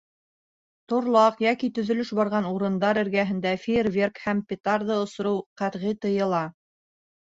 Торлаҡ йәки төҙөлөш барған урындар эргәһендә фейерверк һәм петарда осороу ҡәтғи тыйыла.